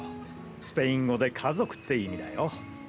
スペイン語で「家族」って意味だよ